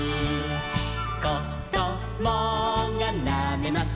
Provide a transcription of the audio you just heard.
「こどもがなめます